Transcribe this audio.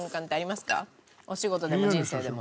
お仕事でも人生でも。